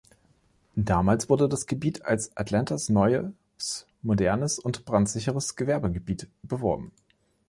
Damals wurde das Gebiet als „Atlantas neues modernes und brandsicheres Gewerbegebiet“ beworben.